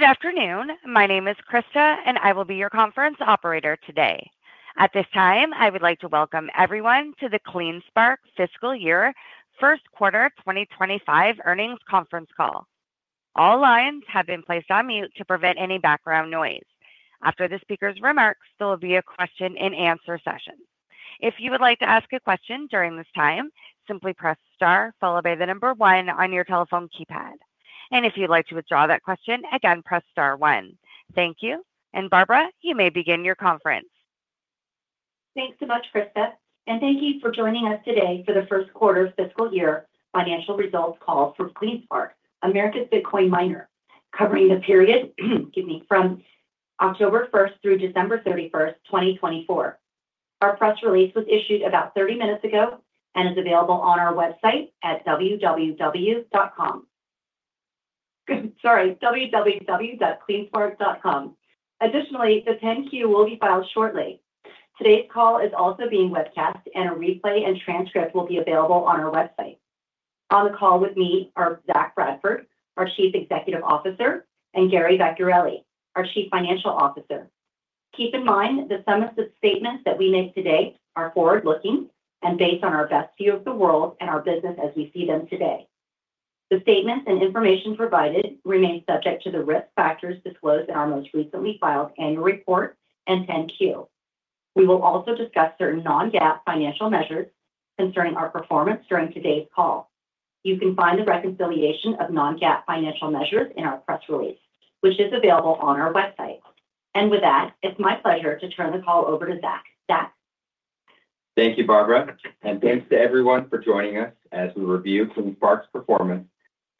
Good afternoon. My name is Krista, and I will be your conference operator today. At this time, I would like to welcome everyone to the CleanSpark's Fiscal Year Q1 2025 Earnings Conference Call. All lines have been placed on mute to prevent any background noise. After the speaker's remarks, there will be a question-and-answer session. If you would like to ask a question during this time, simply press star, followed by the number one on your telephone keypad. And if you'd like to withdraw that question, again, press star one. Thank you, and Barbara, you may begin your conference. Thanks so much, Krista, and thank you for joining us today for the Q1 fiscal year financial results call for CleanSpark, America's Bitcoin Miner, covering the period, excuse me, from October 1st through December 31st, 2024. Our press release was issued about 30 minutes ago and is available on our website at www.com Sorry, www.cleanspark.com. Additionally, the 10-Q will be filed shortly. Today's call is also being webcast, and a replay and transcript will be available on our website. On the call with me are Zach Bradford, our CEO, and Gary Vecchiarelli, our CFO. Keep in mind the Safe Harbor statements that we make today are forward-looking and based on our best view of the world and our business as we see them today. The statements and information provided remain subject to the risk factors disclosed in our most recently filed annual report and 10-Q. We will also discuss certain non-GAAP financial measures concerning our performance during today's call. You can find the reconciliation of non-GAAP financial measures in our press release, which is available on our website. And with that, it's my pleasure to turn the call over to Zach. Zach. Thank you, Barbara. And thanks to everyone for joining us as we review CleanSpark's performance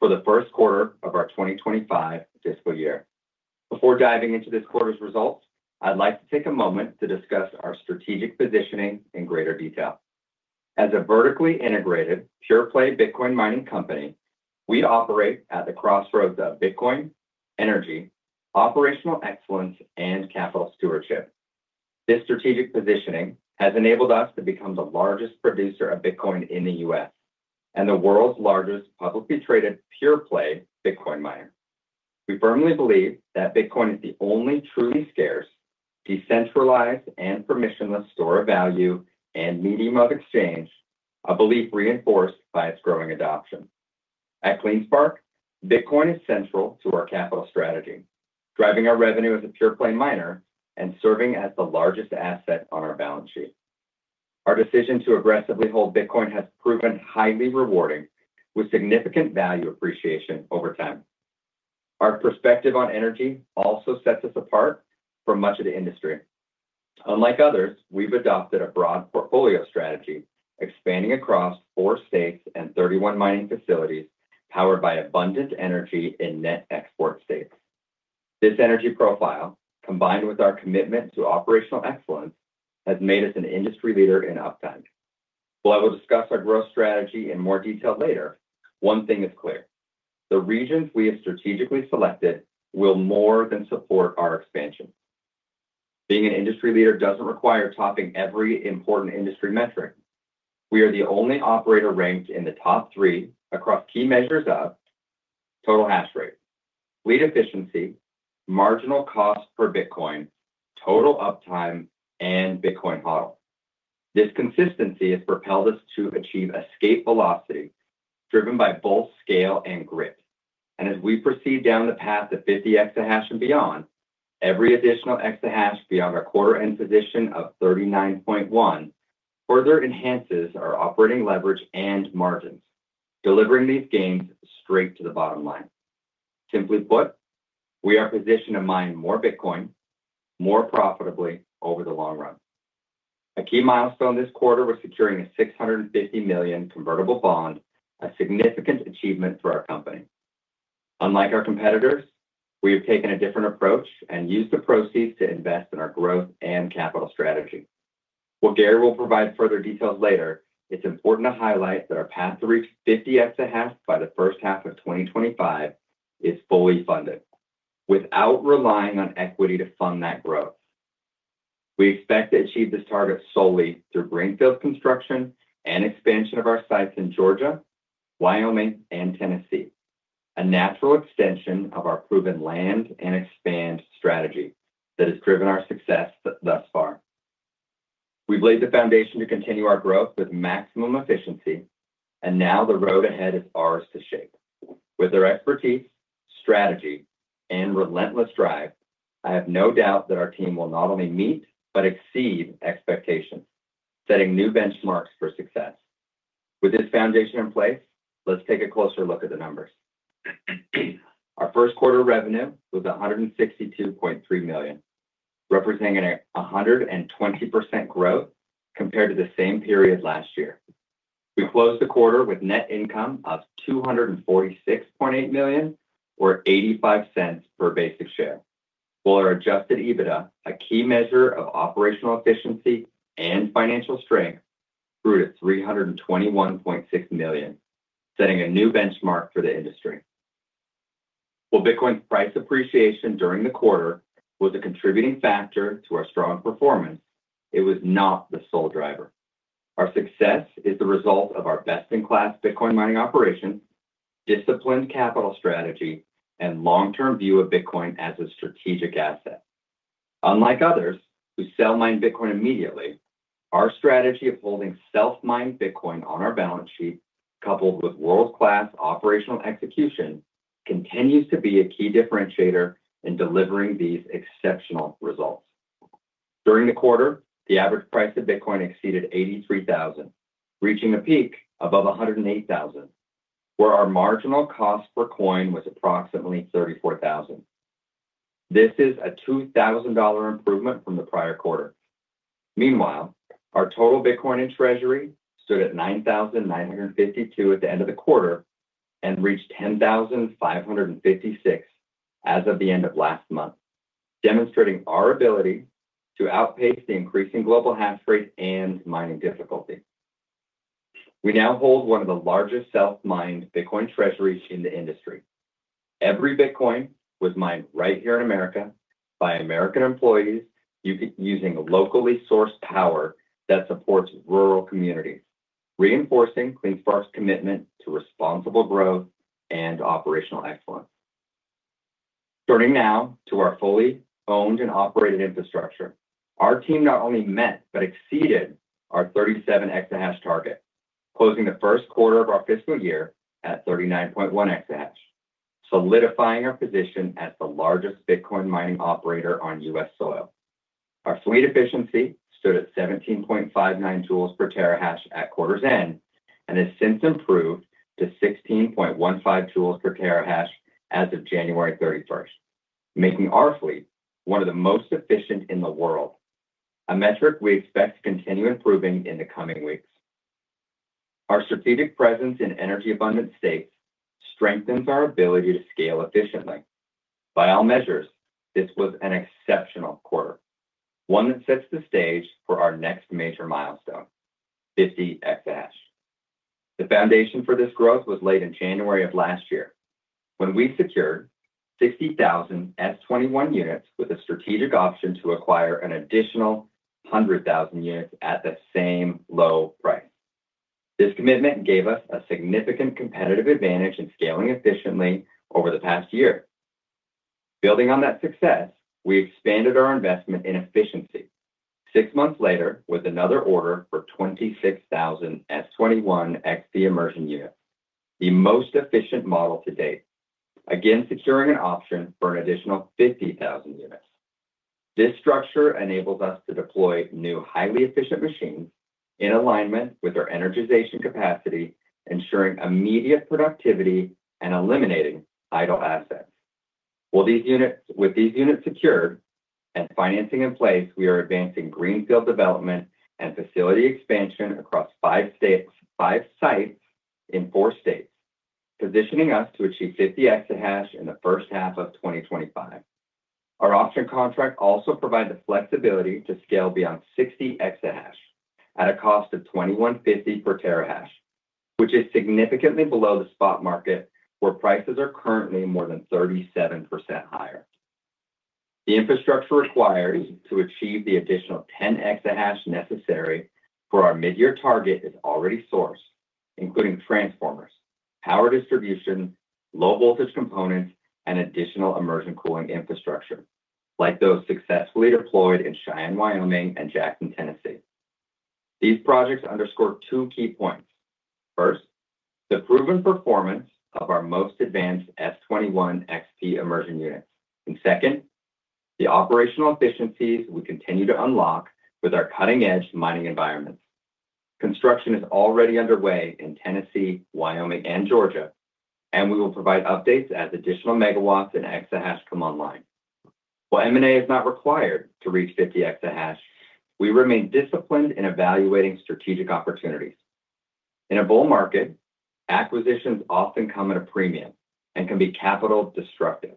for the Q1 of our 2025 fiscal year. Before diving into this quarter's results, I'd like to take a moment to discuss our strategic positioning in greater detail. As a vertically integrated pure-play Bitcoin mining company, we operate at the crossroads of Bitcoin, energy, operational excellence, and capital stewardship. This strategic positioning has enabled us to become the largest producer of Bitcoin in the U.S. and the world's largest publicly traded pure-play Bitcoin miner. We firmly believe that Bitcoin is the only truly scarce, decentralized, and permissionless store of value and medium of exchange, a belief reinforced by its growing adoption. At CleanSpark, Bitcoin is central to our capital strategy, driving our revenue as a pure-play miner and serving as the largest asset on our balance sheet. Our decision to aggressively hold Bitcoin has proven highly rewarding, with significant value appreciation over time. Our perspective on energy also sets us apart from much of the industry. Unlike others, we've adopted a broad portfolio strategy, expanding across four states and 31 mining facilities powered by abundant energy in net export states. This energy profile, combined with our commitment to operational excellence, has made us an industry leader in uptime. While I will discuss our growth strategy in more detail later, one thing is clear: the regions we have strategically selected will more than support our expansion. Being an industry leader doesn't require topping every important industry metric. We are the only operator ranked in the top three across key measures of total hash rate, fleet efficiency, marginal cost per Bitcoin, total uptime, and Bitcoin HODL. This consistency has propelled us to achieve escape velocity driven by both scale and grit. And as we proceed down the path of 50 exahash and beyond, every additional exahash beyond our quarter-end position of 39.1 further enhances our operating leverage and margins, delivering these gains straight to the bottom line. Simply put, we are positioned to mine more Bitcoin more profitably over the long run. A key milestone this quarter was securing a $650 million convertible bond, a significant achievement for our company. Unlike our competitors, we have taken a different approach and used the proceeds to invest in our growth and capital strategy. While Gary will provide further details later, it's important to highlight that our path to reach 50 exahash by the first half of 2025 is fully funded without relying on equity to fund that growth. We expect to achieve this target solely through greenfield construction and expansion of our sites in Georgia, Wyoming, and Tennessee, a natural extension of our proven land-and-expand strategy that has driven our success thus far. We've laid the foundation to continue our growth with maximum efficiency, and now the road ahead is ours to shape. With our expertise, strategy, and relentless drive, I have no doubt that our team will not only meet but exceed expectations, setting new benchmarks for success. With this foundation in place, let's take a closer look at the numbers. Our Q1 revenue was $162.3 million, representing a 120% growth compared to the same period last year. We closed the quarter with net income of $246.8 million, or $0.85 per basic share, while our adjusted EBITDA, a key measure of operational efficiency and financial strength, grew to $321.6 million, setting a new benchmark for the industry. While Bitcoin's price appreciation during the quarter was a contributing factor to our strong performance, it was not the sole driver. Our success is the result of our best-in-class Bitcoin mining operations, disciplined capital strategy, and long-term view of Bitcoin as a strategic asset. Unlike others who sell mined Bitcoin immediately, our strategy of holding self-mined Bitcoin on our balance sheet, coupled with world-class operational execution, continues to be a key differentiator in delivering these exceptional results. During the quarter, the average price of Bitcoin exceeded $83,000, reaching a peak above $108,000, where our marginal cost per coin was approximately $34,000. This is a $2,000 improvement from the prior quarter. Meanwhile, our total Bitcoin in treasury stood at $9,952 at the end of the quarter and reached $10,556 as of the end of last month, demonstrating our ability to outpace the increasing global hash rate and mining difficulty. We now hold one of the largest self-mined Bitcoin treasuries in the industry. Every Bitcoin was mined right here in America by American employees using locally sourced power that supports rural communities, reinforcing CleanSpark's commitment to responsible growth and operational excellence. Turning now to our fully-owned and operated infrastructure, our team not only met but exceeded our 37 exahash target, closing the Q1 of our fiscal year at 39.1 exahash, solidifying our position as the largest Bitcoin mining operator on U.S. soil. Our fleet efficiency stood at 17.59 joules per terahash at quarter's end and has since improved to 16.15 joules per terahash as of January 31st, making our fleet one of the most efficient in the world, a metric we expect to continue improving in the coming weeks. Our strategic presence in energy-abundant states strengthens our ability to scale efficiently. By all measures, this was an exceptional quarter, one that sets the stage for our next major milestone, 50 exahash. The foundation for this growth was laid in January of last year when we secured 60,000 S21 units with a strategic option to acquire an additional 100,000 units at the same low price. This commitment gave us a significant competitive advantage in scaling efficiently over the past year. Building on that success, we expanded our investment in efficiency six months later with another order for 26,000 S21 XP Immersion units, the most efficient model to date, again securing an option for an additional 50,000 units. This structure enables us to deploy new highly efficient machines in alignment with our energization capacity, ensuring immediate productivity and eliminating idle assets. With these units secured and financing in place, we are advancing greenfield development and facility expansion across five sites, in four states, positioning us to achieve 50 exahash in the first half of 2025. Our option contract also provides the flexibility to scale beyond 60 exahash at a cost of $2,150 per terahash, which is significantly below the spot market where prices are currently more than 37% higher. The infrastructure required to achieve the additional 10 exahash necessary for our mid-year target is already sourced, including transformers, power distribution, low-voltage components, and additional immersion cooling infrastructure, like those successfully deployed in Cheyenne, Wyoming, and Jackson, Tennessee. These projects underscore two key points. First, the proven performance of our most advanced S21 XP immersion units, and second, the operational efficiencies we continue to unlock with our cutting-edge mining environments. Construction is already underway in Tennessee, Wyoming, and Georgia, and we will provide updates as additional megawatts and exahash come online. While M&A is not required to reach 50 exahash, we remain disciplined in evaluating strategic opportunities. In a bull market, acquisitions often come at a premium and can be capital-destructive.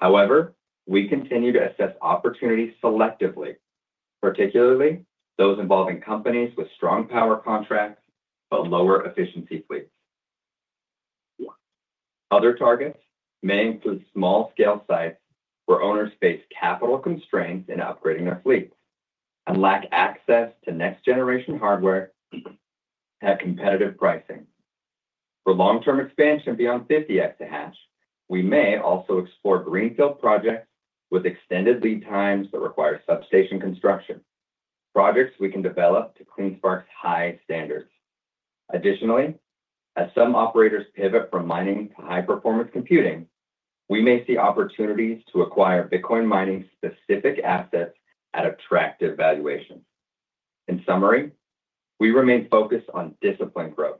However, we continue to assess opportunities selectively, particularly those involving companies with strong power contracts but lower efficiency fleets. Other targets may include small-scale sites where owners face capital constraints in upgrading their fleets and lack access to next-generation hardware at competitive pricing. For long-term expansion beyond 50 exahash, we may also explore greenfield projects with extended lead times that require substation construction, projects we can develop to CleanSpark's high standards. Additionally, as some operators pivot from mining to high-performance computing, we may see opportunities to acquire Bitcoin mining-specific assets at attractive valuations. In summary, we remain focused on disciplined growth,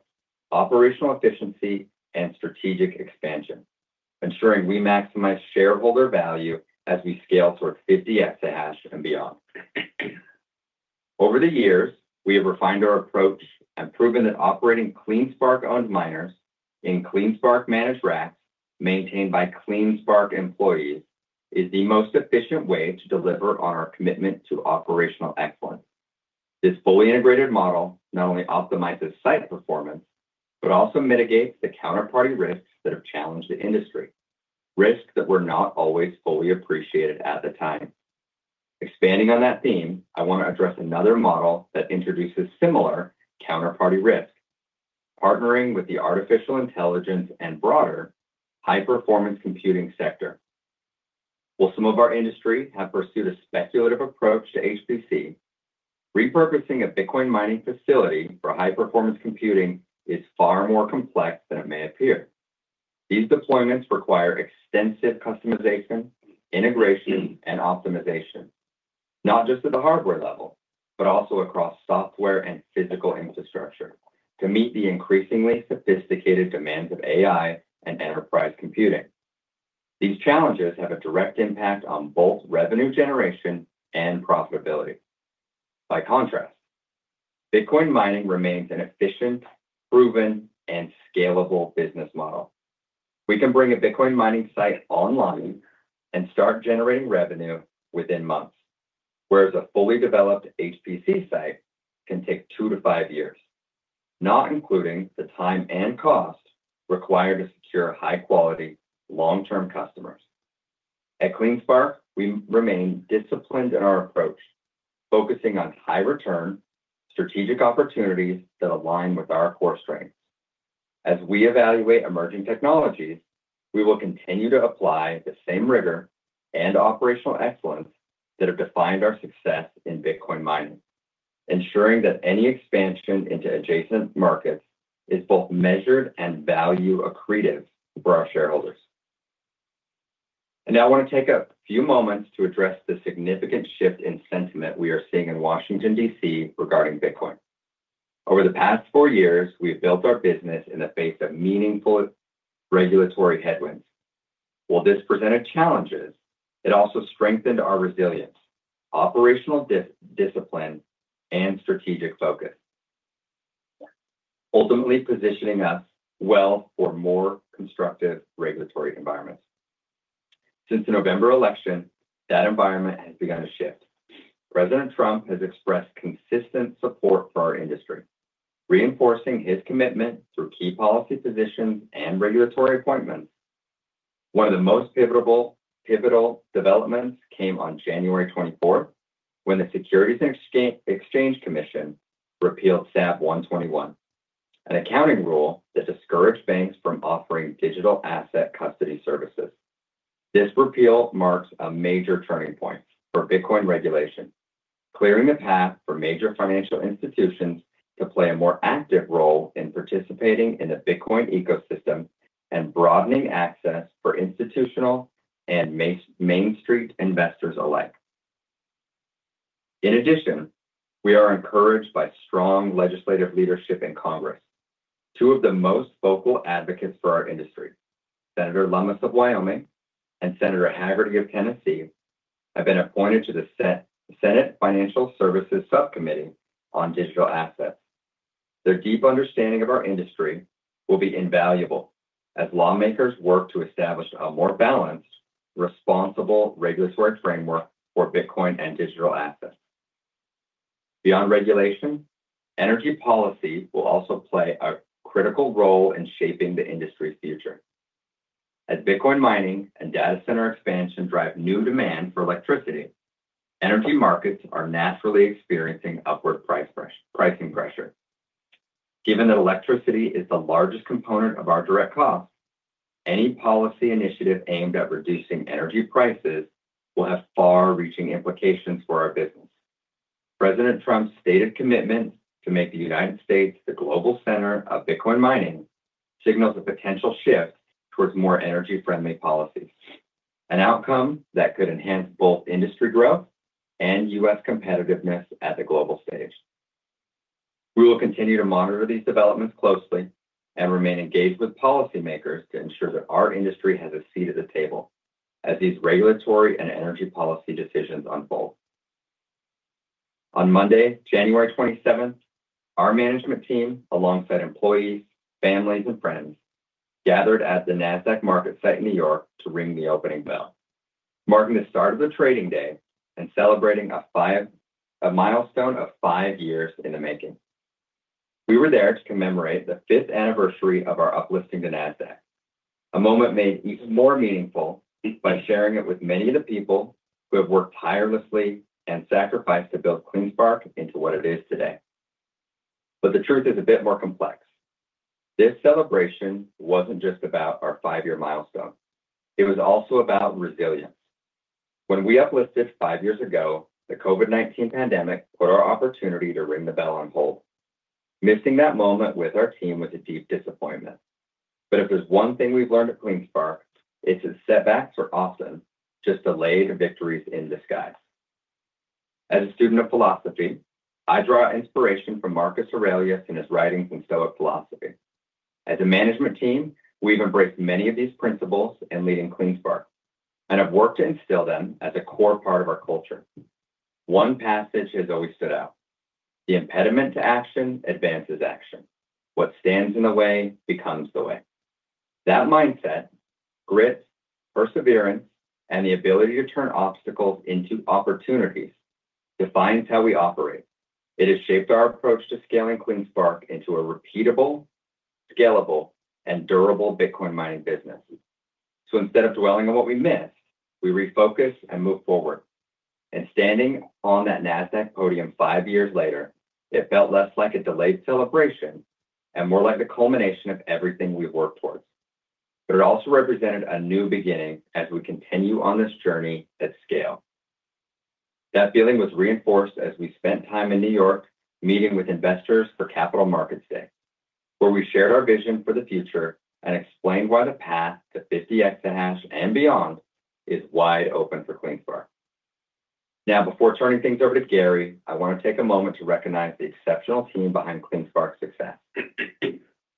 operational efficiency, and strategic expansion, ensuring we maximize shareholder value as we scale toward 50 exahash and beyond. Over the years, we have refined our approach and proven that operating CleanSpark-owned miners in CleanSpark-managed racks maintained by CleanSpark employees is the most efficient way to deliver on our commitment to operational excellence. This fully-integrated model not only optimizes site performance but also mitigates the counterparty risks that have challenged the industry, risks that were not always fully appreciated at the time. Expanding on that theme, I want to address another model that introduces similar counterparty risk, partnering with the artificial intelligence and broader high-performance computing sector. While some of our industry have pursued a speculative approach to HPC, repurposing a Bitcoin mining facility for high-performance computing is far more complex than it may appear. These deployments require extensive customization, integration, and optimization, not just at the hardware level but also across software and physical infrastructure to meet the increasingly sophisticated demands of AI and enterprise computing. These challenges have a direct impact on both revenue generation and profitability. By contrast, Bitcoin mining remains an efficient, proven, and scalable business model. We can bring a Bitcoin mining site online and start generating revenue within months, whereas a fully developed HPC site can take two to five years, not including the time and cost required to secure high-quality, long-term customers. At CleanSpark, we remain disciplined in our approach, focusing on high-return, strategic opportunities that align with our core strengths. As we evaluate emerging technologies, we will continue to apply the same rigor and operational excellence that have defined our success in Bitcoin mining, ensuring that any expansion into adjacent markets is both measured and value-accretive for our shareholders. And now I want to take a few moments to address the significant shift in sentiment we are seeing in Washington, D.C., regarding Bitcoin. Over the past four years, we have built our business in the face of meaningful regulatory headwinds. While this presented challenges, it also strengthened our resilience, operational discipline, and strategic focus, ultimately positioning us well for more constructive regulatory environments. Since the November election, that environment has begun to shift. President Trump has expressed consistent support for our industry, reinforcing his commitment through key policy positions and regulatory appointments. One of the most pivotal developments came on January 24th when the Securities and Exchange Commission repealed SAB 121, an accounting rule that discouraged banks from offering digital asset custody services. This repeal marks a major turning point for Bitcoin regulation, clearing the path for major financial institutions to play a more active role in participating in the Bitcoin ecosystem and broadening access for institutional and mainstream investors alike. In addition, we are encouraged by strong legislative leadership in Congress. Two of the most vocal advocates for our industry, Senator Lummis of Wyoming and Senator Hagerty of Tennessee, have been appointed to the Senate's Financial Services Subcommittee on Digital Assets. Their deep understanding of our industry will be invaluable as lawmakers work to establish a more balanced, responsible regulatory framework for Bitcoin and digital assets. Beyond regulation, energy policy will also play a critical role in shaping the industry's future. As Bitcoin mining and data center expansion drive new demand for electricity, energy markets are naturally experiencing upward pricing pressure. Given that electricity is the largest component of our direct cost, any policy initiative aimed at reducing energy prices will have far-reaching implications for our business. President Trump's stated commitment to make the United States the global center of Bitcoin mining signals a potential shift towards more energy-friendly policies, an outcome that could enhance both industry growth and U.S. competitiveness at the global stage. We will continue to monitor these developments closely and remain engaged with policymakers to ensure that our industry has a seat at the table as these regulatory and energy policy decisions unfold. On Monday, January 27th, our management team, alongside employees, families, and friends, gathered at the Nasdaq MarketSite in New York to ring the opening bell, marking the start of the trading day and celebrating a milestone of five years in the making. We were there to commemorate the fifth anniversary of our uplisting to the Nasdaq, a moment made even more meaningful by sharing it with many of the people who have worked tirelessly and sacrificed to build CleanSpark into what it is today. But the truth is a bit more complex. This celebration wasn't just about our five-year milestone. It was also about resilience. When we uplisted five years ago, the COVID-19 pandemic put our opportunity to ring the bell on hold. Missing that moment with our team was a deep disappointment. But if there's one thing we've learned at CleanSpark, it's that setbacks were often just delayed victories in disguise. As a student of philosophy, I draw inspiration from Marcus Aurelius and his writings in Stoic philosophy. As a management team, we've embraced many of these principles in leading CleanSpark and have worked to instill them as a core part of our culture. One passage has always stood out: "The impediment to action advances action. What stands in the way becomes the way." That mindset, grit, perseverance, and the ability to turn obstacles into opportunities defines how we operate. It has shaped our approach to scaling CleanSpark into a repeatable, scalable, and durable Bitcoin mining business. So instead of dwelling on what we missed, we refocus and move forward. And standing on that Nasdaq podium five years later, it felt less like a delayed celebration and more like the culmination of everything we've worked towards. But it also represented a new beginning as we continue on this journey at scale. That feeling was reinforced as we spent time in New York meeting with investors for Capital Markets Day, where we shared our vision for the future and explained why the path to 50 exahash and beyond is wide open for CleanSpark. Now, before turning things over to Gary, I want to take a moment to recognize the exceptional team behind CleanSpark's success.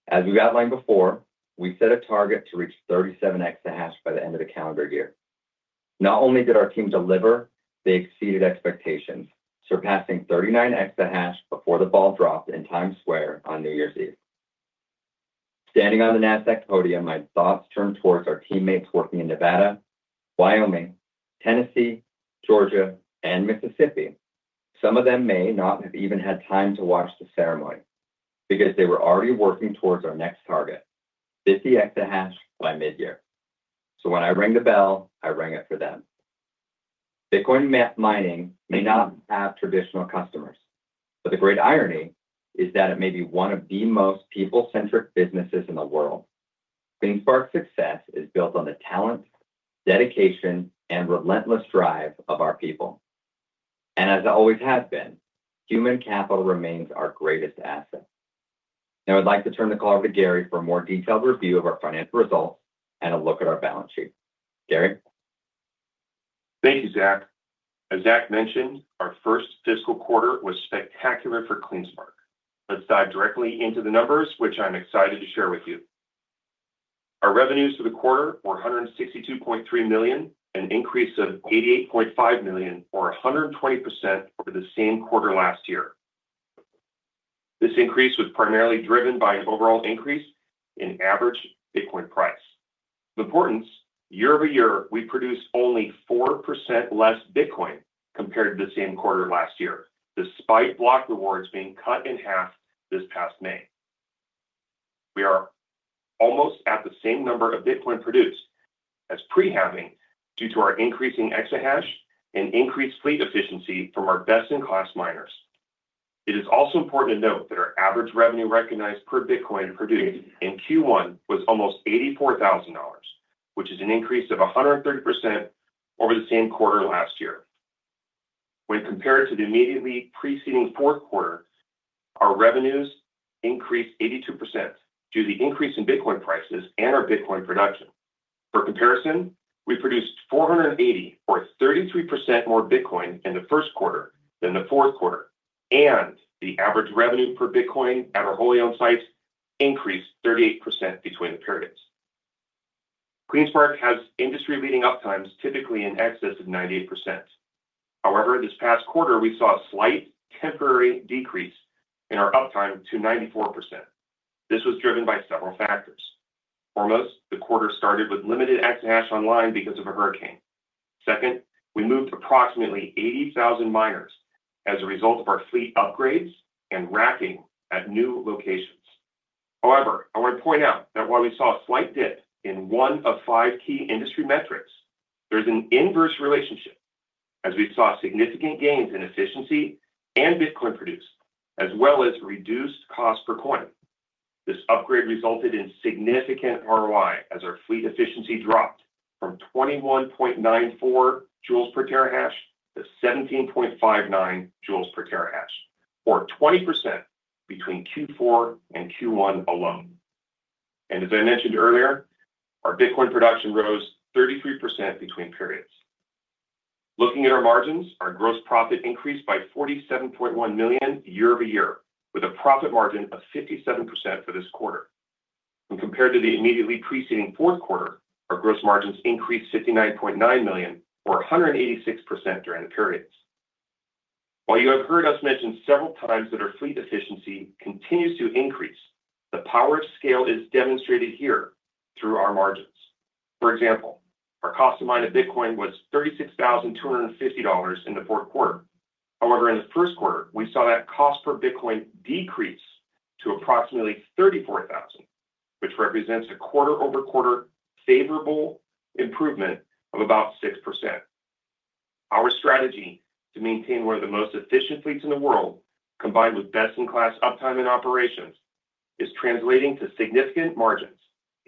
As we've outlined before, we set a target to reach 37 exahash by the end of the calendar year. Not only did our team deliver, they exceeded expectations, surpassing 39 exahash before the ball dropped in Times Square on New Year's Eve. Standing on the Nasdaq podium, my thoughts turned towards our teammates working in Nevada, Wyoming, Tennessee, Georgia, and Mississippi. Some of them may not have even had time to watch the ceremony because they were already working towards our next target, 50 exahash by mid-year. So when I ring the bell, I ring it for them. Bitcoin mining may not have traditional customers, but the great irony is that it may be one of the most people-centric businesses in the world. CleanSpark's success is built on the talent, dedication, and relentless drive of our people, and as it always has been, human capital remains our greatest asset. Now, I'd like to turn the call over to Gary for a more detailed review of our financial results and a look at our balance sheet. Gary? Thank you, Zach. As Zach mentioned, our first fiscal quarter was spectacular for CleanSpark. Let's dive directly into the numbers, which I'm excited to share with you. Our revenues for the quarter were $162.3 million, an increase of $88.5 million, or 120% over the same quarter last year. This increase was primarily driven by an overall increase in average Bitcoin price. Of importance, year-over-year, we produced only 4% less Bitcoin compared to the same quarter last year, despite block rewards being cut in half this past May. We are almost at the same number of Bitcoin produced as pre-halving due to our increasing exahash and increased fleet efficiency from our best-in-class miners. It is also important to note that our average revenue recognized per Bitcoin produced in Q1 was almost $84,000, which is an increase of 130% over the same quarter last year. When compared to the immediately preceding Q4, our revenues increased 82% due to the increase in Bitcoin prices and our Bitcoin production. For comparison, we produced 480, or 33% more Bitcoin in the Q1 than the Q4, and the average revenue per Bitcoin at our wholly-owned sites increased 38% between the periods. CleanSpark has industry-leading uptimes typically in excess of 98%. However, this past quarter, we saw a slight temporary decrease in our uptime to 94%. This was driven by several factors. Foremost, the quarter started with limited exahash online because of a hurricane. Second, we moved approximately 80,000 miners as a result of our fleet upgrades and racking at new locations. However, I want to point out that while we saw a slight dip in one of five key industry metrics, there's an inverse relationship as we saw significant gains in efficiency and Bitcoin produced, as well as reduced cost per coin. This upgrade resulted in significant ROI as our fleet efficiency dropped from 21.94 joules per terahash to 17.59 joules per terahash, or 20% between Q4 and Q1 alone. As I mentioned earlier, our Bitcoin production rose 33% between periods. Looking at our margins, our gross profit increased by $47.1 million year-over-year, with a profit margin of 57% for this quarter. When compared to the immediately preceding Q4, our gross margins increased $59.9 million, or 186% during the periods. While you have heard us mention several times that our fleet efficiency continues to increase, the power of scale is demonstrated here through our margins. For example, our cost to mine of Bitcoin was $36,250 in the Q4. However, in the Q1, we saw that cost per Bitcoin decrease to approximately $34,000, which represents a quarter-over-quarter favorable improvement of about 6%. Our strategy to maintain one of the most efficient fleets in the world, combined with best-in-class uptime and operations, is translating to significant margins,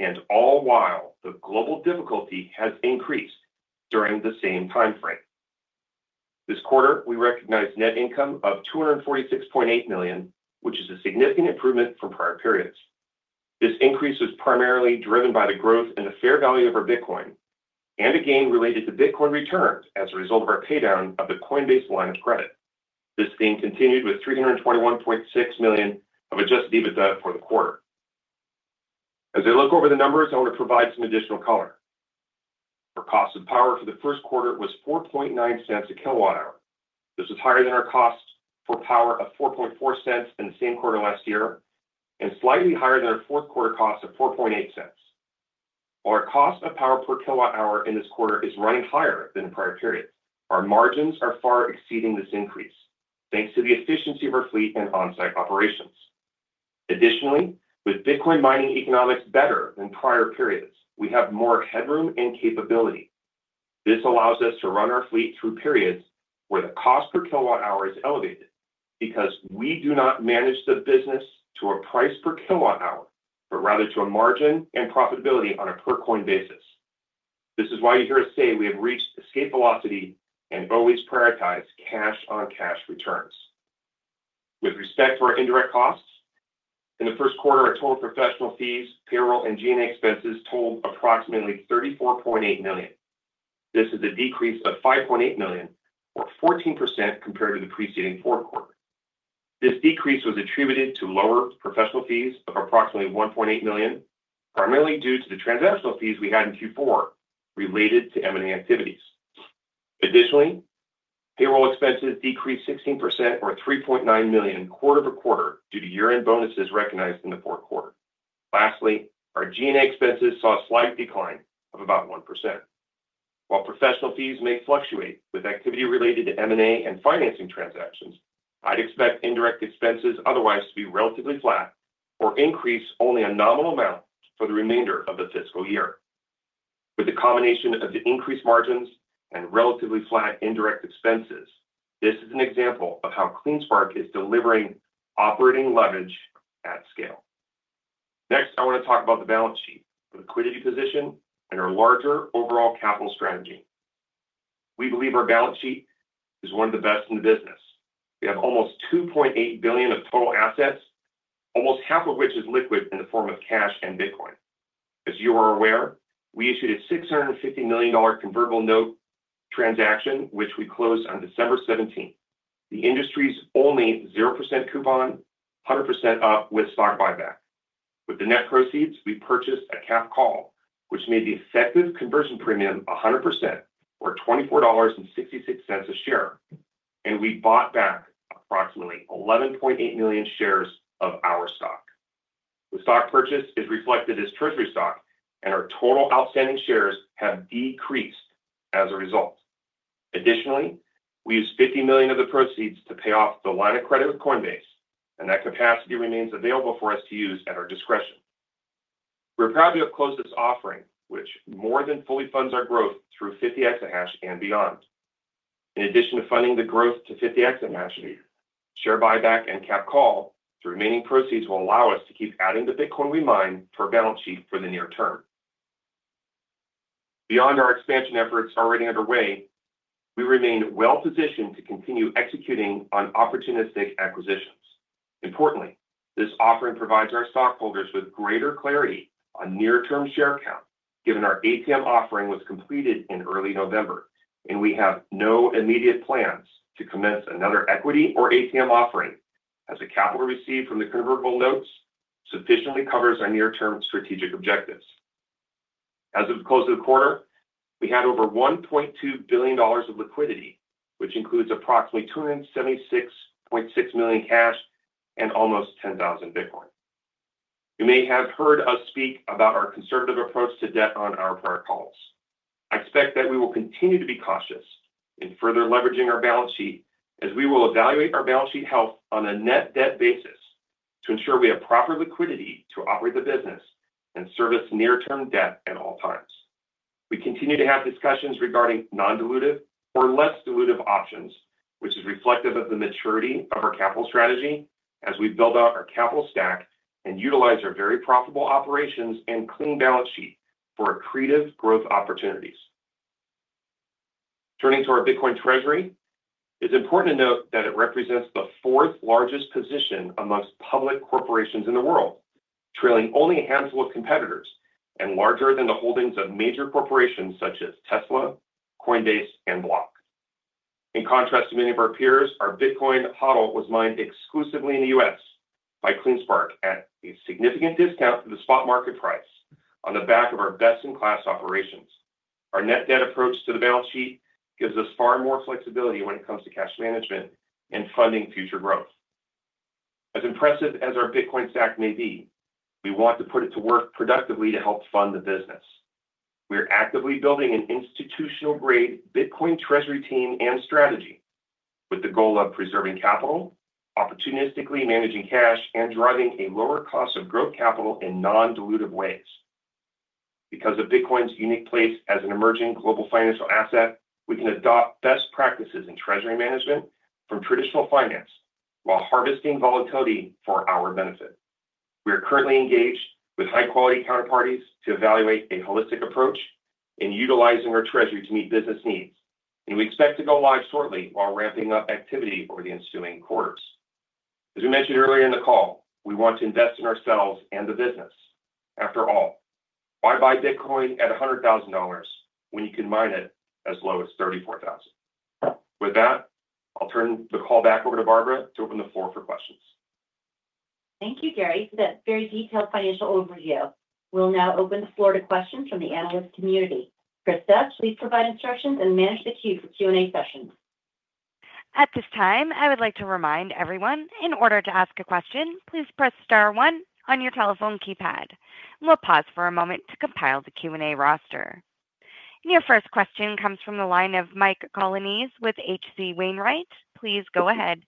and all while the global difficulty has increased during the same timeframe. This quarter, we recognized net income of $246.8 million, which is a significant improvement from prior periods. This increase was primarily driven by the growth in the fair value of our Bitcoin and a gain related to Bitcoin returns as a result of our paydown of the Coinbase line of credit. This gain continued with $321.6 million of adjusted EBITDA for the quarter. As I look over the numbers, I want to provide some additional color. Our cost of power for the Q1 was $4.09 a kWh. This was higher than our cost for power of $4.04 in the same quarter last year and slightly higher than our Q4 cost of $4.08. While our cost of power per kilowatt-hour in this quarter is running higher than in prior periods, our margins are far exceeding this increase thanks to the efficiency of our fleet and onsite operations. Additionally, with Bitcoin mining economics better than prior periods, we have more headroom and capability. This allows us to run our fleet through periods where the cost per kilowatt-hour is elevated because we do not manage the business to a price per kilowatt-hour, but rather to a margin and profitability on a per-coin basis. This is why you hear us say we have reached escape velocity and always prioritize cash-on-cash returns. With respect to our indirect costs, in the Q1, our total professional fees, payroll, and G&A expenses totaled approximately $34.8 million. This is a decrease of $5.8 million, or 14% compared to the preceding Q4. This decrease was attributed to lower professional fees of approximately $1.8 million, primarily due to the transactional fees we had in Q4 related to M&A activities. Additionally, payroll expenses decreased 16%, or $3.9 million, quarter-over-quarter due to year-end bonuses recognized in the Q4. Lastly, our G&A expenses saw a slight decline of about 1%. While professional fees may fluctuate with activity related to M&A and financing transactions, I'd expect indirect expenses otherwise to be relatively flat or increase only a nominal amount for the remainder of the fiscal year. With the combination of the increased margins and relatively flat indirect expenses, this is an example of how CleanSpark is delivering operating leverage at scale. Next, I want to talk about the balance sheet, the liquidity position, and our larger overall capital strategy. We believe our balance sheet is one of the best in the business. We have almost $2.8 billion of total assets, almost half of which is liquid in the form of cash and Bitcoin. As you are aware, we issued a $650 million convertible note transaction, which we closed on December 17th. The industry's only 0% coupon, 100% upside with stock buyback. With the net proceeds, we purchased a cap call, which made the effective conversion premium 100%, or $24.66 a share, and we bought back approximately 11.8 million shares of our stock. The stock purchase is reflected as treasury stock, and our total outstanding shares have decreased as a result. Additionally, we used $50 million of the proceeds to pay off the line of credit with Coinbase, and that capacity remains available for us to use at our discretion. We're proud to have closed this offering, which more than fully funds our growth through 50 exahash and beyond. In addition to funding the growth to 50 exahash, share buyback and cap call, the remaining proceeds will allow us to keep adding the Bitcoin we mine per balance sheet for the near term. Beyond our expansion efforts already underway, we remain well-positioned to continue executing on opportunistic acquisitions. Importantly, this offering provides our stockholders with greater clarity on near-term share count, given our ATM offering was completed in early November, and we have no immediate plans to commence another equity or ATM offering as the capital received from the convertible notes sufficiently covers our near-term strategic objectives. As of the close of the quarter, we had over $1.2 billion of liquidity, which includes approximately $276.6 million cash and almost 10,000 Bitcoin. You may have heard us speak about our conservative approach to debt on our prior calls. I expect that we will continue to be cautious in further leveraging our balance sheet as we will evaluate our balance sheet health on a net debt basis to ensure we have proper liquidity to operate the business and service near-term debt at all times. We continue to have discussions regarding non-dilutive or less dilutive options, which is reflective of the maturity of our capital strategy as we build out our capital stack and utilize our very profitable operations and clean balance sheet for accretive growth opportunities. Turning to our Bitcoin treasury, it's important to note that it represents the fourth-largest position among public corporations in the world, trailing only a handful of competitors and larger than the holdings of major corporations such as Tesla, Coinbase, and Block. In contrast to many of our peers, our Bitcoin HODL was mined exclusively in the U.S. by CleanSpark at a significant discount to the spot market price on the back of our best-in-class operations. Our net debt approach to the balance sheet gives us far more flexibility when it comes to cash management and funding future growth. As impressive as our Bitcoin stack may be, we want to put it to work productively to help fund the business. We are actively building an institutional-grade Bitcoin treasury team and strategy with the goal of preserving capital, opportunistically managing cash, and driving a lower cost of growth capital in non-dilutive ways. Because of Bitcoin's unique place as an emerging global financial asset, we can adopt best practices in treasury management from traditional finance while harvesting volatility for our benefit. We are currently engaged with high-quality counterparties to evaluate a holistic approach and utilizing our treasury to meet business needs, and we expect to go live shortly while ramping up activity over the ensuing quarters. As we mentioned earlier in the call, we want to invest in ourselves and the business. After all, why buy Bitcoin at $100,000 when you can mine it as low as $34,000? With that, I'll turn the call back over to Barbara to open the floor for questions. Thank you, Gary. That's a very detailed financial overview. We'll now open the floor to questions from the analyst community. Krista, please provide instructions and manage the queue for Q&A sessions. At this time, I would like to remind everyone, in order to ask a question, please press star one on your telephone keypad. We'll pause for a moment to compile the Q&A roster. Your first question comes from the line of Mike Colonnese with H.C. Wainwright. Please go ahead.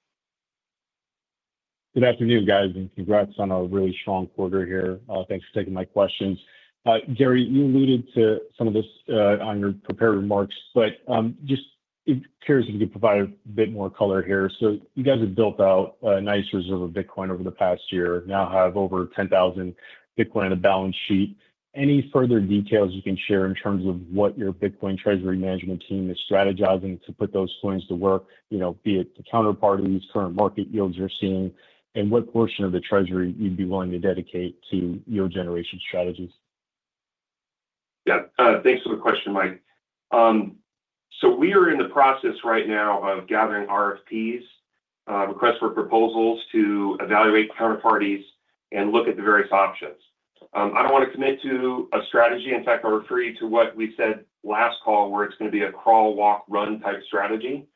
Good afternoon, guys, and congrats on a really strong quarter here. Thanks for taking my questions. Gary, you alluded to some of this on your prepared remarks, but just curious if you could provide a bit more color here. So you guys have built out a nice reserve of Bitcoin over the past year, now have over 10,000 Bitcoin on the balance sheet. Any further details you can share in terms of what your Bitcoin treasury management team is strategizing to put those coins to work, be it the counterparties, current market yields you're seeing, and what portion of the treasury you'd be willing to dedicate to yield generation strategies? Yeah, thanks for the question, Mike. So we are in the process right now of gathering RFPs, requests for proposals to evaluate counterparties, and look at the various options. I don't want to commit to a strategy. In fact, I'll refer you to what we said last call, where it's going to be a crawl, walk, run type strategy,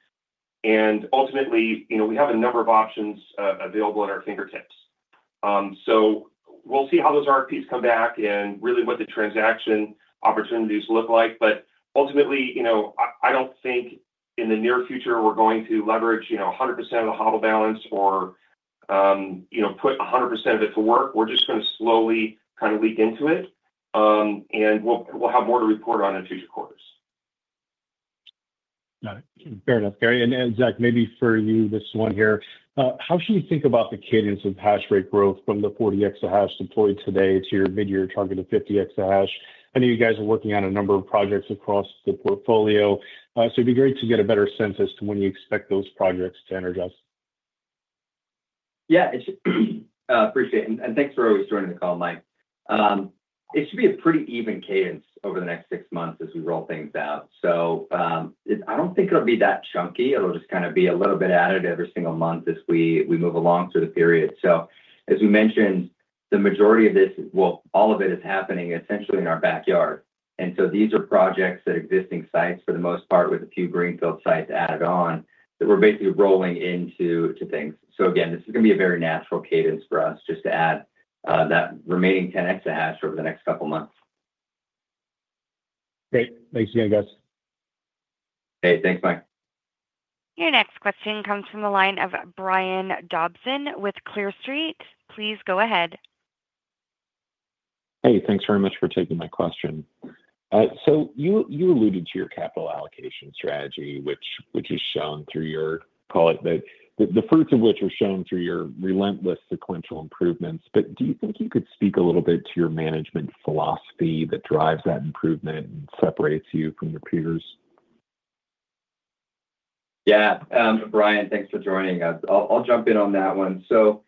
and ultimately, we have a number of options available at our fingertips. So we'll see how those RFPs come back and really what the transaction opportunities look like. But ultimately, I don't think in the near future we're going to leverage 100% of the HODL balance or put 100% of it to work. We're just going to slowly kind of leak into it, and we'll have more to report on in future quarters. Got it. Fair enough, Gary. And Zach, maybe for you this one here. How should you think about the cadence of hash rate growth from the 40 exahash deployed today to your mid-year target of 50 exahash? I know you guys are working on a number of projects across the portfolio, so it'd be great to get a better sense as to when you expect those projects to energize. Yeah, appreciate it. And thanks for always joining the call, Mike. It should be a pretty even cadence over the next six months as we roll things out. So I don't think it'll be that chunky. It'll just kind of be a little bit added every single month as we move along through the period. So as we mentioned, the majority of this, well, all of it is happening essentially in our backyard. So these are projects at existing sites for the most part, with a few greenfield sites added on that we're basically rolling into things. So again, this is going to be a very natural cadence for us just to add that remaining 10 exahash over the next couple of months. Great. Thanks again, guys. Hey, thanks, Mike. Your next question comes from the line of Brian Dobson with Clear Street. Please go ahead. Hey, thanks very much for taking my question. So you alluded to your capital allocation strategy, which is shown through your, call it, the fruits of which are shown through your relentless sequential improvements. But do you think you could speak a little bit to your management philosophy that drives that improvement and separates you from your peers? Yeah, Brian, thanks for joining us. I'll jump in on that one. So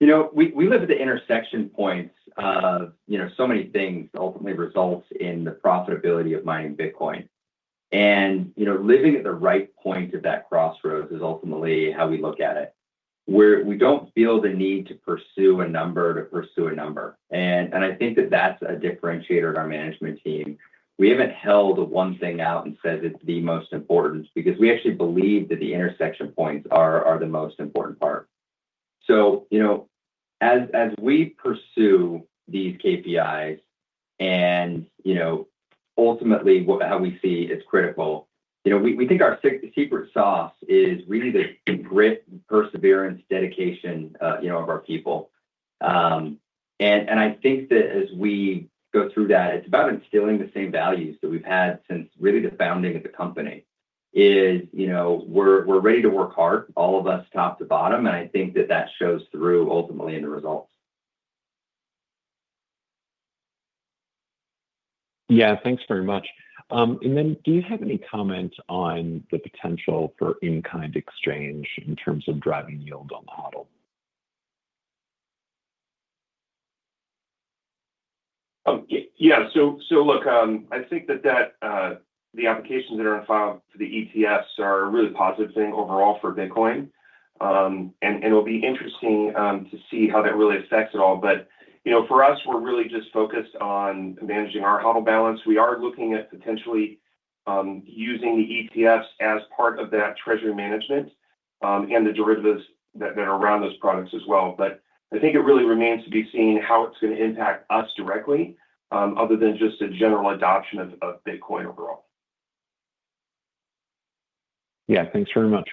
we live at the intersection points of so many things that ultimately result in the profitability of mining Bitcoin. And living at the right point of that crossroads is ultimately how we look at it, where we don't feel the need to pursue a number to pursue a number. And I think that that's a differentiator of our management team. We haven't held one thing out and said it's the most important because we actually believe that the intersection points are the most important part. So, as we pursue these KPIs and ultimately how we see it's critical, we think our secret sauce is really the grit, perseverance, dedication of our people. And I think that as we go through that, it's about instilling the same values that we've had since really the founding of the company. We're ready to work hard, all of us top to bottom, and I think that that shows through ultimately in the results. Yeah, thanks very much. And then do you have any comments on the potential for in-kind exchange in terms of driving yield on the HODL? Yeah, so look, I think that the applications that are on file for the ETFs are a really positive thing overall for Bitcoin. And it'll be interesting to see how that really affects it all. But for us, we're really just focused on managing our HODL balance. We are looking at potentially using the ETFs as part of that treasury management and the derivatives that are around those products as well. But I think it really remains to be seen how it's going to impact us directly other than just a general adoption of Bitcoin overall. Yeah, thanks very much.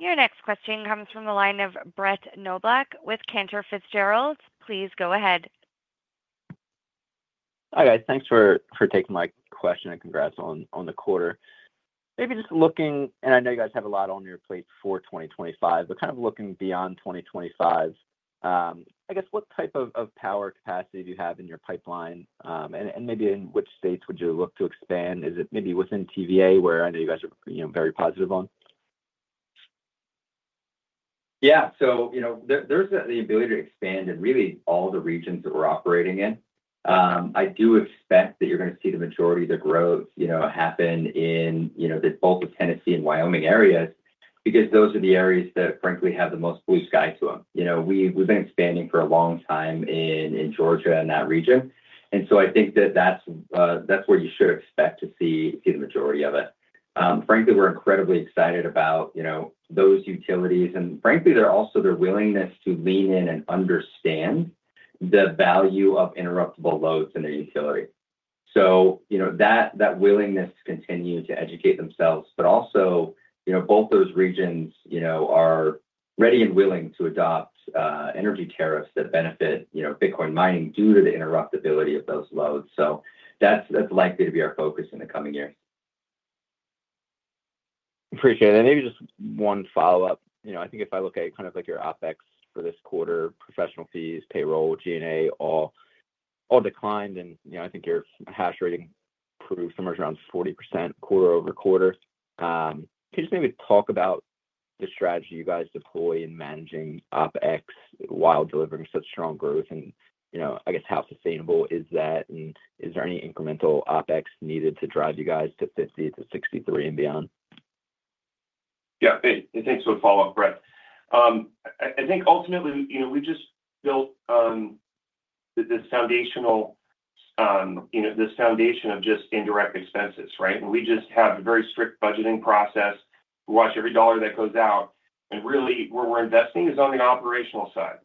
Your next question comes from the line of Brett Knoblauch with Cantor Fitzgerald. Please go ahead. Hi, guys. Thanks for taking my question and congrats on the quarter. Maybe just looking, and I know you guys have a lot on your plate for 2025, but kind of looking beyond 2025, I guess what type of power capacity do you have in your pipeline? And maybe in which states would you look to expand? Is it maybe within TVA, where I know you guys are very positive on? Yeah, so there's the ability to expand in really all the regions that we're operating in. I do expect that you're going to see the majority of the growth happen in both the Tennessee and Wyoming areas because those are the areas that, frankly, have the most blue sky to them. We've been expanding for a long time in Georgia and that region. And so I think that that's where you should expect to see the majority of it. Frankly, we're incredibly excited about those utilities and frankly, there's also their willingness to lean in and understand the value of interruptible loads in their utility. So that willingness to continue to educate themselves, but also both those regions are ready and willing to adopt energy tariffs that benefit Bitcoin mining due to the interruptibility of those loads. So that's likely to be our focus in the coming years. Appreciate it. Maybe just one follow-up. I think if I look at kind of your OpEx for this quarter, professional fees, payroll, G&A, all declined. I think your hash rate improved somewhere around 40% quarter-over-quarter. Can you just maybe talk about the strategy you guys deploy in managing OpEx while delivering such strong growth? I guess, how sustainable is that? Is there any incremental OpEx needed to drive you guys to 50-63 and beyond? Yeah, thanks for the follow-up, Brett. I think ultimately, we just built this foundation of just indirect expenses, right? We just have a very strict budgeting process. We watch every dollar that goes out. Really, where we're investing is on the operational side.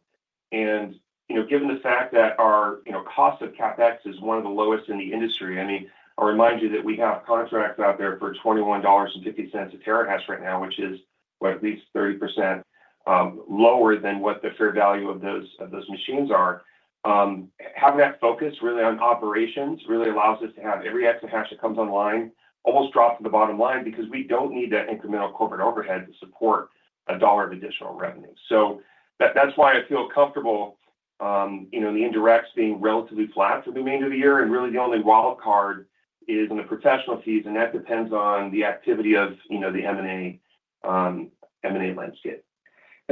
Given the fact that our cost of CapEx is one of the lowest in the industry, I mean, I'll remind you that we have contracts out there for $21.50 a terahash right now, which is, what, at least 30% lower than what the fair value of those machines are. Having that focus really on operations really allows us to have every extra hash that comes online almost drop to the bottom line because we don't need that incremental corporate overhead to support a dollar of additional revenue. So that's why I feel comfortable in the indirects being relatively flat for the remainder of the year. And really, the only wildcard is in the professional fees, and that depends on the activity of the M&A landscape.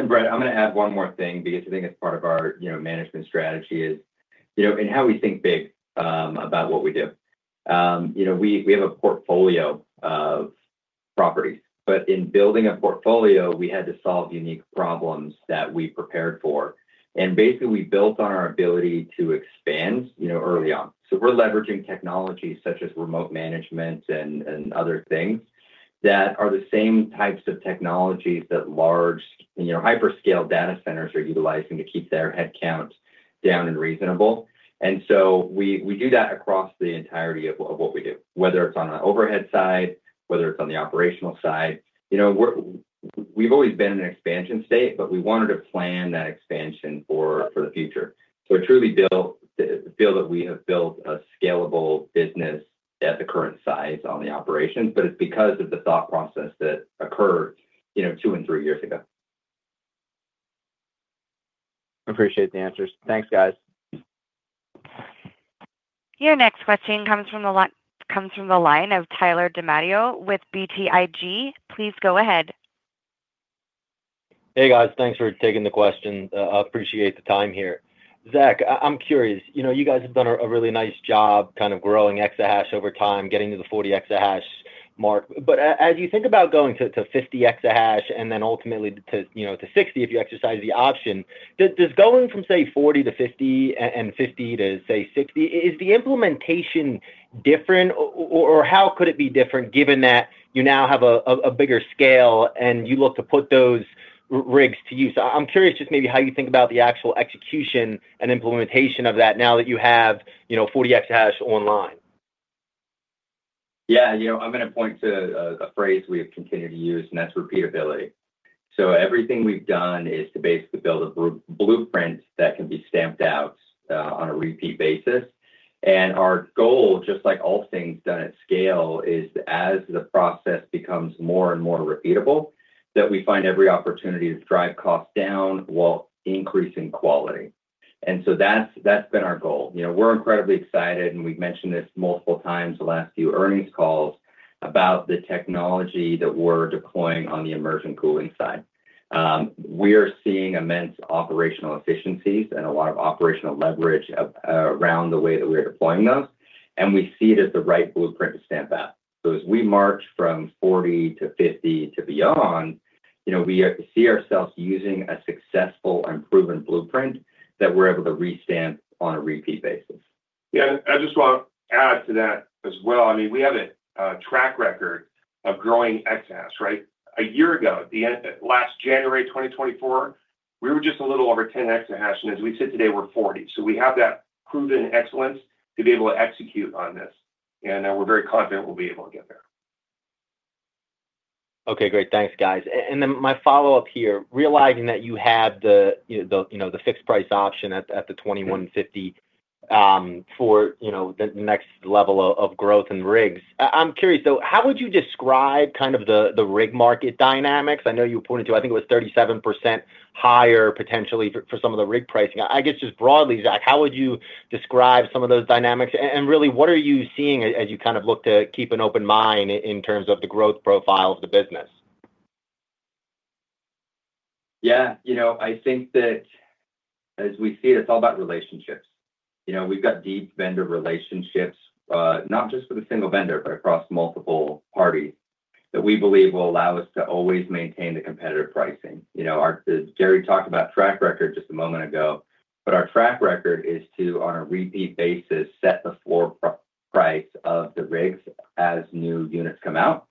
Brett, I'm going to add one more thing because I think it's part of our management strategy is in how we think big about what we do. We have a portfolio of properties. But in building a portfolio, we had to solve unique problems that we prepared for and basically, we built on our ability to expand early on. So we're leveraging technology such as remote management and other things that are the same types of technologies that large hyperscale data centers are utilizing to keep their headcount down and reasonable. So we do that across the entirety of what we do, whether it's on the overhead side, whether it's on the operational side. We've always been in an expansion state, but we wanted to plan that expansion for the future. So I truly feel that we have built a scalable business at the current size on the operations, but it's because of the thought process that occurred two and three years ago. Appreciate the answers. Thanks, guys. Your next question comes from the line of Tyler DiMatteo with BTIG. Please go ahead. Hey, guys. Thanks for taking the question. I appreciate the time here. Zach, I'm curious. You guys have done a really nice job kind of growing exahash over time, getting to the 40 exahash mark. But as you think about going to 50 exahash and then ultimately to 60, if you exercise the option, does going from, say, 40 to 50 and 50 to, say, 60, is the implementation different? Or how could it be different given that you now have a bigger scale and you look to put those rigs to use? I'm curious just maybe how you think about the actual execution and implementation of that now that you have 40 exahash online? Yeah, I'm going to point to a phrase we have continued to use, and that's repeatability, so everything we've done is to basically build a blueprint that can be stamped out on a repeat basis, and our goal, just like all things done at scale, is as the process becomes more and more repeatable, that we find every opportunity to drive costs down while increasing quality, and so that's been our goal. We're incredibly excited, and we've mentioned this multiple times the last few earnings calls about the technology that we're deploying on the immersion cooling side. We are seeing immense operational efficiencies and a lot of operational leverage around the way that we're deploying those, and we see it as the right blueprint to stamp out. So as we march from 40 to 50 to beyond, we see ourselves using a successful and proven blueprint that we're able to re-stamp on a repeat basis. Yeah, I just want to add to that as well. I mean, we have a track record of growing exahash, right? A year ago, last January, 2024, we were just a little over 10 exahash. And as we sit today, we're 40. So we have that proven excellence to be able to execute on this. And we're very confident we'll be able to get there. Okay, great. Thanks, guys. And then my follow-up here, realizing that you have the fixed price option at the 2150 for the next level of growth and rigs. I'm curious, though, how would you describe kind of the rig market dynamics? I know you pointed to, I think it was 37% higher potentially for some of the rig pricing. I guess just broadly, Zach, how would you describe some of those dynamics? And really, what are you seeing as you kind of look to keep an open mind in terms of the growth profile of the business? Yeah, I think that as we see it, it's all about relationships. We've got deep vendor relationships, not just with a single vendor, but across multiple parties that we believe will allow us to always maintain the competitive pricing. Gary talked about track record just a moment ago, but our track record is to, on a repeat basis, set the floor price of the rigs as new units come out.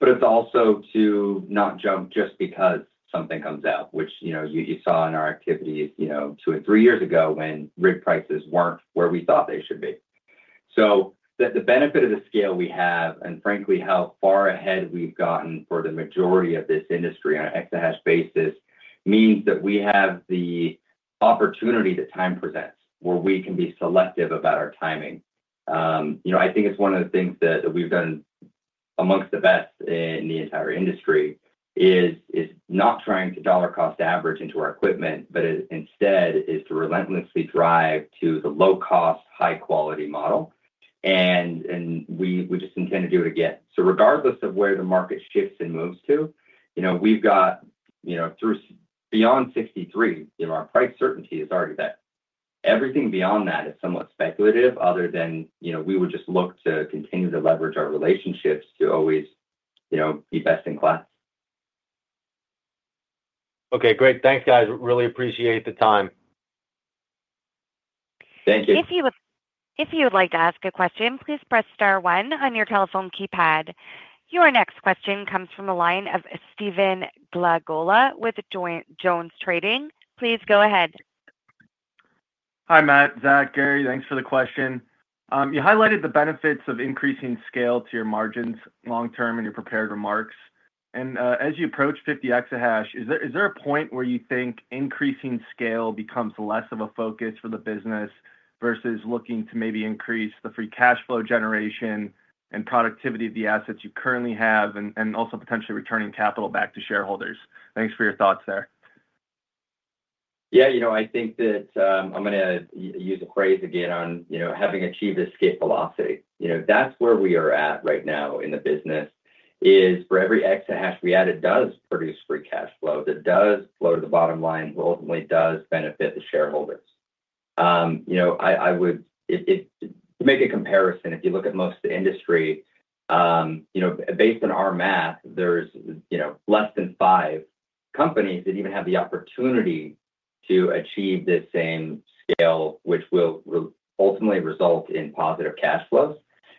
But it's also to not jump just because something comes out, which you saw in our activities two and three years ago when rig prices weren't where we thought they should be. So the benefit of the scale we have and, frankly, how far ahead we've gotten for the majority of this industry on an exahash basis means that we have the opportunity that time presents where we can be selective about our timing. I think it's one of the things that we've done amongst the best in the entire industry is not trying to dollar cost average into our equipment, but instead is to relentlessly drive to the low-cost, high-quality model and we just intend to do it again. So regardless of where the market shifts and moves to, we've got through beyond 63, our price certainty is already there. Everything beyond that is somewhat speculative other than we would just look to continue to leverage our relationships to always be best in class. Okay, great. Thanks, guys. Really appreciate the time. If you would like to ask a question, please press star one on your telephone keypad. Your next question comes from the line of Stephen Glagola with JonesTrading. Please go ahead. Hi, Matt. Zach, Gary, thanks for the question. You highlighted the benefits of increasing scale to your margins long-term in your prepared remarks. And as you approach 50 exahash, is there a point where you think increasing scale becomes less of a focus for the business versus looking to maybe increase the free cash flow generation and productivity of the assets you currently have and also potentially returning capital back to shareholders? Thanks for your thoughts there. Yeah, I think that I'm going to use a phrase again on having achieved an escape velocity. That's where we are at right now in the business. For every exahash we add, it does produce free cash flow that does flow to the bottom line and ultimately does benefit the shareholders. I would make a comparison. If you look at most of the industry, based on our math, there's less than five companies that even have the opportunity to achieve this same scale, which will ultimately result in positive cash flows.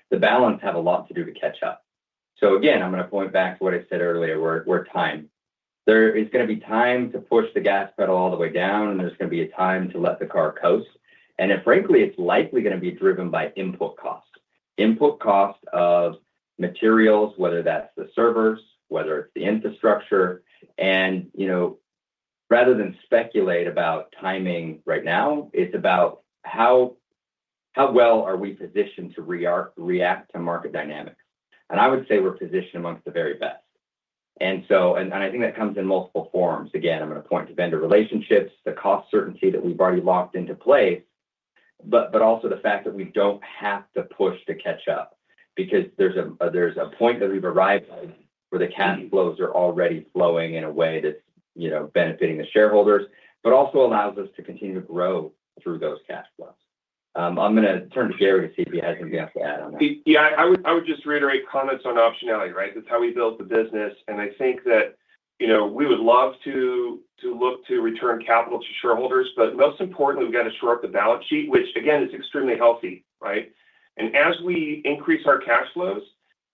The balance have a lot to do to catch up. So again, I'm going to point back to what I said earlier, with time. There is going to be time to push the gas pedal all the way down, and there's going to be a time to let the car coast. Frankly, it's likely going to be driven by input cost. Input cost of materials, whether that's the servers, whether it's the infrastructure. Rather than speculate about timing right now, it's about how well are we positioned to react to market dynamics. I would say we're positioned among the very best. I think that comes in multiple forms. Again, I'm going to point to vendor relationships, the cost certainty that we've already locked into place, but also the fact that we don't have to push to catch up because there's a point that we've arrived at where the cash flows are already flowing in a way that's benefiting the shareholders, but also allows us to continue to grow through those cash flows. I'm going to turn to Gary to see if he has anything else to add on that. Yeah, I would just reiterate comments on optionality, right? That's how we built the business. And I think that we would love to look to return capital to shareholders. But most importantly, we've got to shore up the balance sheet, which, again, is extremely healthy, right? And as we increase our cash flows,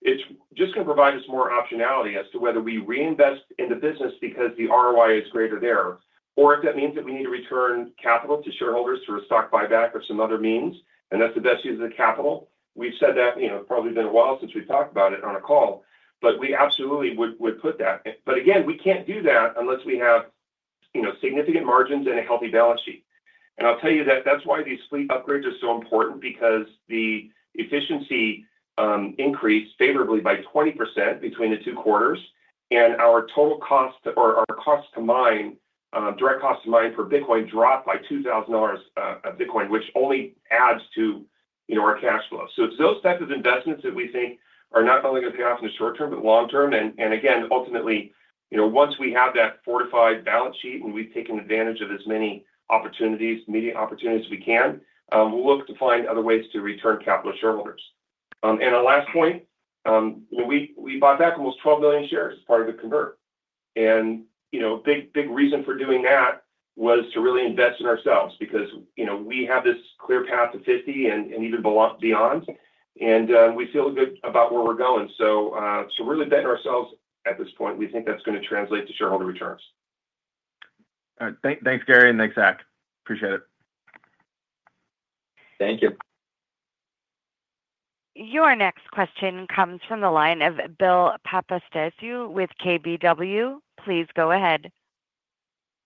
it's just going to provide us more optionality as to whether we reinvest in the business because the ROI is greater there, or if that means that we need to return capital to shareholders through a stock buyback or some other means, and that's the best use of the capital. We've said that. It's probably been a while since we've talked about it on a call, but we absolutely would put that. But again, we can't do that unless we have significant margins and a healthy balance sheet. I'll tell you that that's why these fleet upgrades are so important because the efficiency increased favorably by 20% between the two quarters. Our total cost or our cost to mine, direct cost to mine for Bitcoin dropped by $2,000 of Bitcoin, which only adds to our cash flow. It's those types of investments that we think are not only going to pay off in the short term, but long term. Again, ultimately, once we have that fortified balance sheet and we've taken advantage of as many opportunities, M&A opportunities as we can, we'll look to find other ways to return capital to shareholders. Our last point, we bought back almost 12 million shares as part of the convert. A big reason for doing that was to really invest in ourselves because we have this clear path to 50 and even beyond. We feel good about where we're going. So to really bet on ourselves at this point, we think that's going to translate to shareholder returns. All right. Thanks, Gary. And thanks, Zach. Appreciate it. Your next question comes from the line of Bill Papanastasiou with KBW. Please go ahead.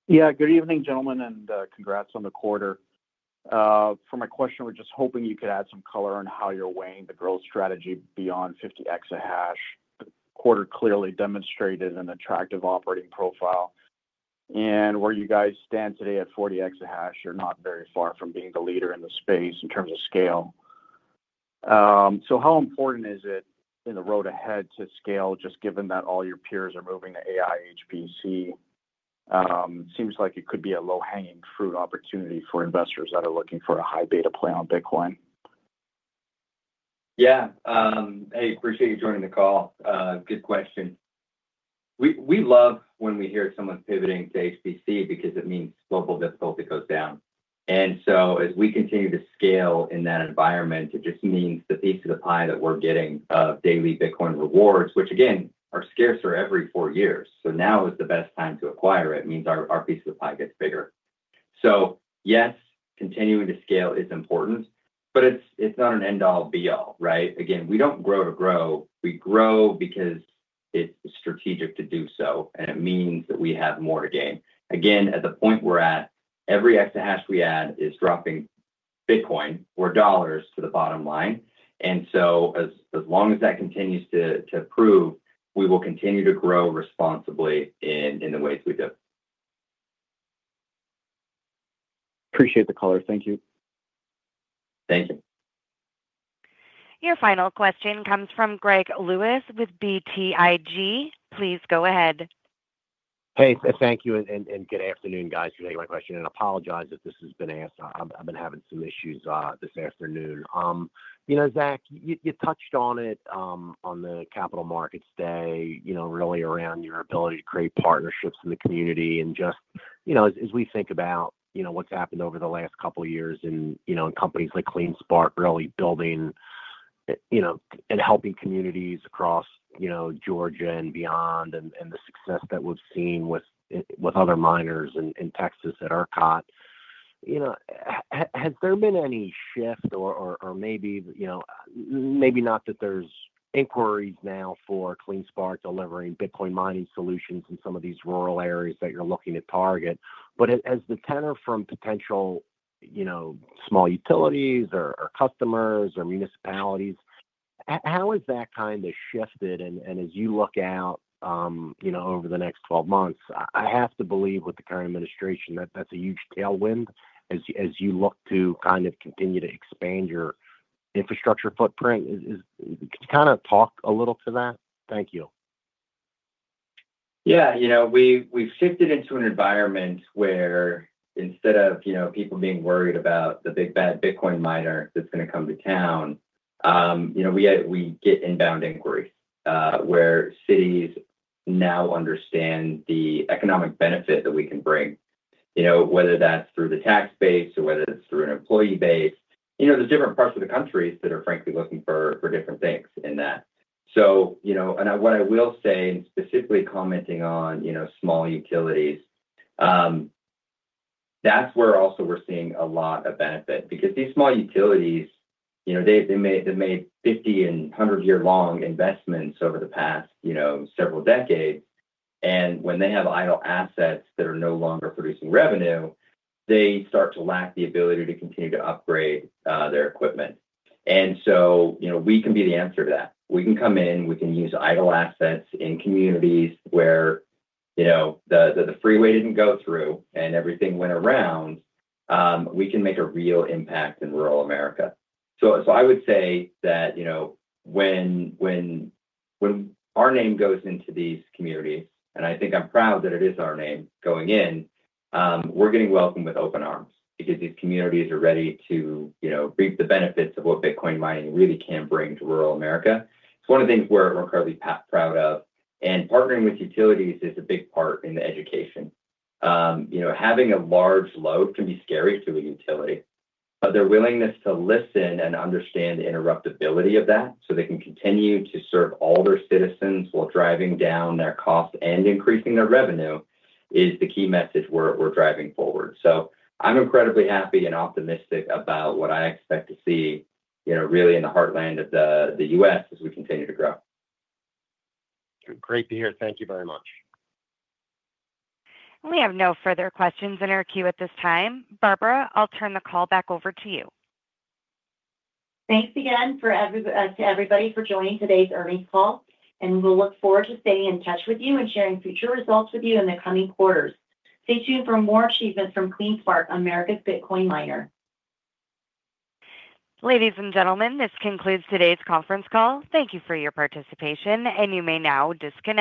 Yeah, good evening, gentlemen, and congrats on the quarter. For my question, we're just hoping you could add some color on how you're weighing the growth strategy beyond 50 exahash. The quarter clearly demonstrated an attractive operating profile. And where you guys stand today at 40 exahash, you're not very far from being the leader in the space in terms of scale. So how important is it in the road ahead to scale, just given that all your peers are moving to AI/HPC? It seems like it could be a low-hanging fruit opportunity for investors that are looking for a high-beta play on Bitcoin. Yeah. Hey, appreciate you joining the call. Good question. We love when we hear someone pivoting to HPC because it means global difficulty goes down. And so as we continue to scale in that environment, it just means the piece of the pie that we're getting of daily Bitcoin rewards, which again, are scarcer every four years. So now is the best time to acquire it. It means our piece of the pie gets bigger. So yes, continuing to scale is important, but it's not an end-all, be-all, right? Again, we don't grow to grow. We grow because it's strategic to do so, and it means that we have more to gain. Again, at the point we're at, every exahash we add is dropping Bitcoin or dollars to the bottom line. And so as long as that continues to prove, we will continue to grow responsibly in the ways we do. Appreciate the color. Thank you. Thank you. Your final question comes from Greg Lewis with BTIG. Please go ahead. Hey, thank you. And good afternoon, guys, for taking my question. And I apologize if this has been asked. I've been having some issues this afternoon. Zach, you touched on it on the Capital Markets Day really around your ability to create partnerships in the community. And just as we think about what's happened over the last couple of years in companies like CleanSpark, really building and helping communities across Georgia and beyond, and the success that we've seen with other miners in Texas at ERCOT, has there been any shift or maybe not that there's inquiries now for CleanSpark delivering Bitcoin mining solutions in some of these rural areas that you're looking to target, but as the tenor from potential small utilities or customers or municipalities, how has that kind of shifted? And as you look out over the next 12 months, I have to believe with the current administration that that's a huge tailwind as you look to kind of continue to expand your infrastructure footprint. Can you kind of talk a little to that? Thank you. Yeah. We've shifted into an environment where instead of people being worried about the big bad Bitcoin miner that's going to come to town, we get inbound inquiries where cities now understand the economic benefit that we can bring, whether that's through the tax base or whether it's through an employee base. There's different parts of the country that are frankly looking for different things in that. So what I will say, and specifically commenting on small utilities, that's where also we're seeing a lot of benefit because these small utilities, they made 50 and 100-year-long investments over the past several decades. And when they have idle assets that are no longer producing revenue, they start to lack the ability to continue to upgrade their equipment. And so we can be the answer to that. We can come in. We can use idle assets in communities where the freeway didn't go through and everything went around. We can make a real impact in rural America, so I would say that when our name goes into these communities, and I think I'm proud that it is our name going in, we're getting welcomed with open arms because these communities are ready to reap the benefits of what Bitcoin mining really can bring to rural America. It's one of the things we're incredibly proud of, and partnering with utilities is a big part in the education. Having a large load can be scary to a utility, but their willingness to listen and understand the interruptibility of that so they can continue to serve all their citizens while driving down their cost and increasing their revenue is the key message we're driving forward. So I'm incredibly happy and optimistic about what I expect to see really in the heartland of the U.S. as we continue to grow. Great to hear. Thank you very much. We have no further questions in our queue at this time. Barbara, I'll turn the call back over to you. Thanks again to everybody for joining today's earnings call, and we'll look forward to staying in touch with you and sharing future results with you in the coming quarters. Stay tuned for more achievements from CleanSpark, America's Bitcoin Miner. Ladies and gentlemen, this concludes today's conference call. Thank you for your participation, and you may now disconnect.